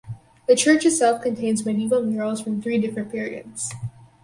The church itself contains medieval murals from three different periods.